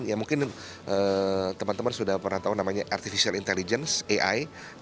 ya mungkin teman teman sudah pernah tahu namanya artificial intelligence ai